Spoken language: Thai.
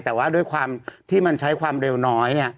แต่ว่าด้วยความที่มันใช้ความเร็วน้อยเนี่ย